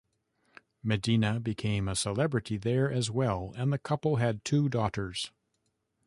Medina became a celebrity there as well, and the couple had two daughters.